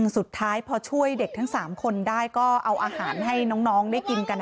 สุดท้ายพอช่วยเด็กทั้ง๓คนได้ก็เอาอาหารให้น้องได้กินกัน